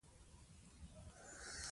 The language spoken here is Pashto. هغه تر څو بجو په هدیرې ګرځیدلی و.